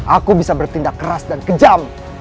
aku bisa bertindak keras dan kejam